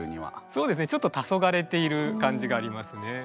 そうですねちょっとたそがれている感じがありますね。